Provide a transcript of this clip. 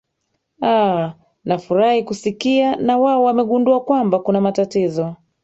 aa nafurahi kusikia na wao wamegundua kwamba kuna na matatizo